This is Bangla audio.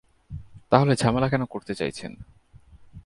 তাহলে ঝামেলা করতে চাইছেন কেন?